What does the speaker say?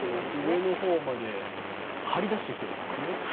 上の方まで張り出してきているわけですね。